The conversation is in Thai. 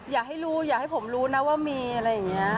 อยากให้รู้อย่าให้ผมรู้นะว่ามีอะไรอย่างนี้